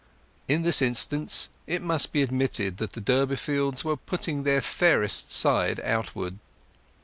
In this instance it must be admitted that the Durbeyfields were putting their fairest side outward.